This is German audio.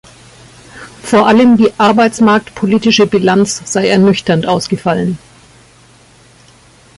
Vor allem die arbeitsmarktpolitische Bilanz sei ernüchternd ausgefallen.